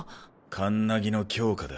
カンナギの強化だ。